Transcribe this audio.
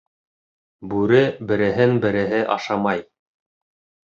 Бүре береһен береһе ашамай.